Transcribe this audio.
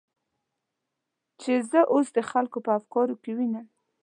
چې زه اوس د خلکو په افکارو کې وینم.